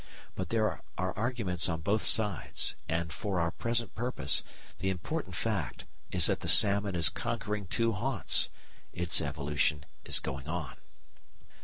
But there are arguments on both sides, and, for our present purpose, the important fact is that the salmon is conquering two haunts. Its evolution is going on.